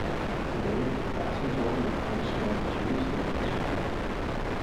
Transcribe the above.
Today, the vast majority of Kurdistan's Jews live in Israel.